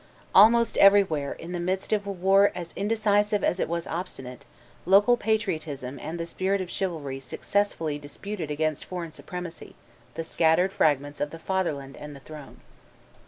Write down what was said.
Almost everywhere in the midst of a war as indecisive as it was obstinate local patriotism and the spirit of chivalry successfully disputed against foreign supremacy the scattered fragments of the fatherland and the throne.